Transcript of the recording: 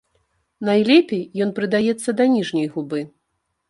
Найлепей ён прыдаецца да ніжняй губы.